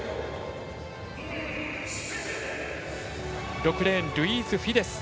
６レーン、ルイーズ・フィデス。